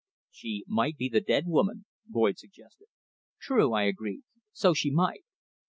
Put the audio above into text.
"She might be the dead woman," Boyd suggested. "True," I agreed. "So she might."